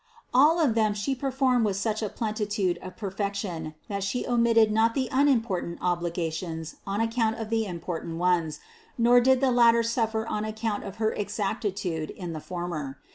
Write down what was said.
All 230 CITY OF GOD of them She performed with such a plenitude of perfec tion that She omitted not the unimportant obligations on account of the important ones, nor did the latter suffer on account of her exactitude in the former.